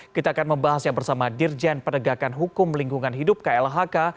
kita akan membahasnya bersama dirjen penegakan hukum lingkungan hidup klhk